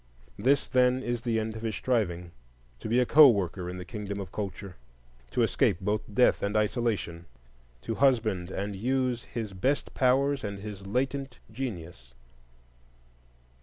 This, then, is the end of his striving: to be a co worker in the kingdom of culture, to escape both death and isolation, to husband and use his best powers and his latent genius.